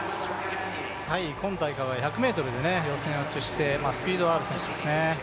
今大会は１００ｍで予選でスピードのある選手ですね。